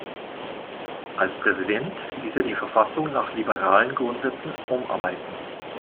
Als Präsident ließ er die Verfassung nach liberalen Grundsätzen umarbeiten.